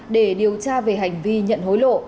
để điều tra về hành vi nhận hối lộ